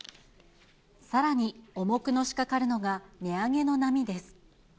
さらに、重くのしかかるのが値上げの波です。